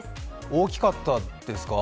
大きかったですか？